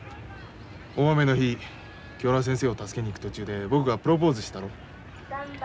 大雨の日清原先生を助けに行く途中で僕がプロポーズしたろ。